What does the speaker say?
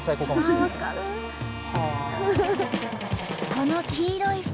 この黄色い袋。